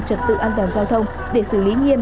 trật tự an toàn giao thông để xử lý nghiêm